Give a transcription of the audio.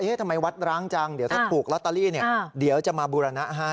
ทำไมวัดร้างจังเดี๋ยวถ้าถูกลอตเตอรี่เดี๋ยวจะมาบูรณะให้